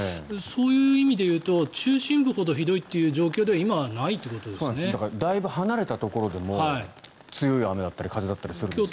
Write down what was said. そういう意味で言うと中心部ほどひどいという状況ではだいぶ離れたところでも強い雨だったり風だったりするんですね。